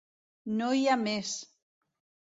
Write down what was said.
No hi ha més!